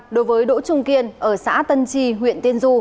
đối với đỗ trung kiên ở xã tân tri huyện tiên du